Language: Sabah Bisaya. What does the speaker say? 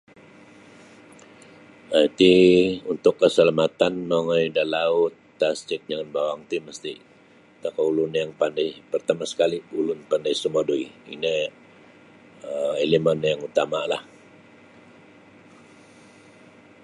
um Iti untuk kasalamatan mongoi da laut, tasik jangan bowong ti masti tokou ulun yang pandai pertama sekali ulun pandai sumodui ino um elemen yang utamalah.